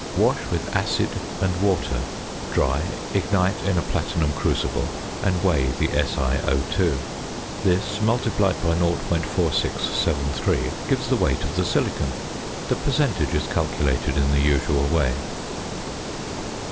Wash with acid and water, dry, ignite in a platinum crucible, and weigh the SiO_. This, multiplied by 0.4673, gives the weight of the silicon. The percentage is calculated in the usual way.